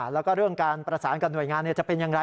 แล้วก็เรื่องการประสานกับหน่วยงานจะเป็นอย่างไร